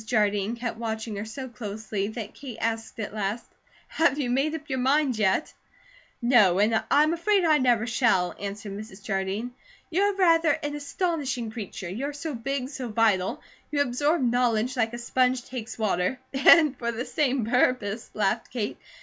Jardine kept watching her so closely that Kate asked at last: "Have you made up your mind, yet?" "No, and I am afraid I never shall," answered Mrs. Jardine. "You are rather an astonishing creature. You're so big, so vital; you absorb knowledge like a sponge takes water " "And for the same purpose," laughed Kate.